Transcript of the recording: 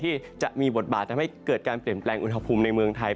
ที่จะมีบทบาททำให้เกิดการเปลี่ยนแปลงอุณหภูมิในเมืองไทย